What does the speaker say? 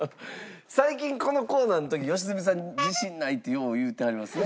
最近このコーナーの時良純さん自信ないってよう言うてはりますね。